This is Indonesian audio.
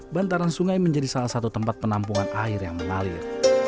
bantaran sungai menjadi salah satu tempat penampungan air yang mengalir